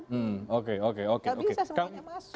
nggak bisa semuanya masuk